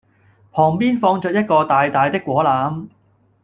旁邊放著一個大大的果籃